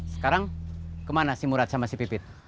sekarang kemana si murat sama si pipit